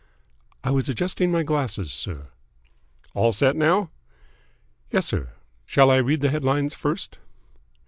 "I was adjusting my glasses, sir." "All set now?" "Yes, sir. Shall I read the headlines first?"